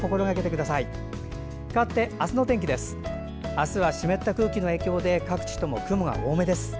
あすは湿った空気の影響で各地とも雲が多めでしょう。